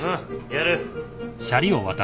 やる。